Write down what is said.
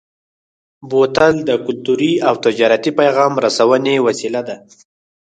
بوتل د کلتوري او تجارتي پیغام رسونې وسیله ده.